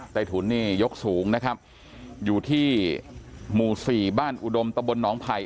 ถุนนี่ยกสูงนะครับอยู่ที่หมู่สี่บ้านอุดมตะบนน้องไผ่